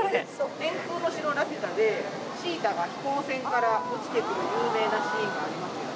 天空の城ラピュタで、シータが飛行船から落ちてくる有名なシーンがありますよね。